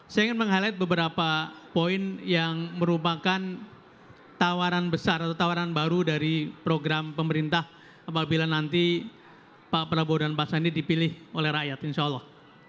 saya ingin meng highlight beberapa poin yang merupakan tawaran besar atau tawaran baru dari program pemerintah apabila nanti pak prabowo dan pak sandi dipilih oleh rakyat insya allah